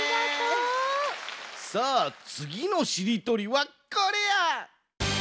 さあつぎのしりとりはこれや！